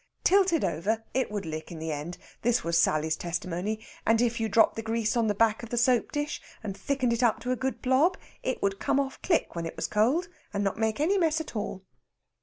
Tilted over, it would lick in the end this was Sally's testimony; and if you dropped the grease on the back of the soap dish and thickened it up to a good blob, it would come off click when it was cold, and not make any mess at all.